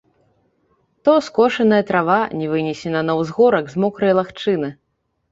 То скошаная трава не вынесена на ўзгорак з мокрай лагчыны.